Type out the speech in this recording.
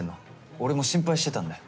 俺も心配してたんだよ。